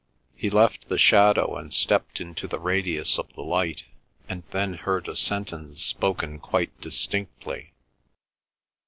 He left the shadow and stepped into the radius of the light, and then heard a sentence spoken quite distinctly.